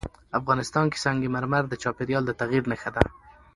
افغانستان کې سنگ مرمر د چاپېریال د تغیر نښه ده.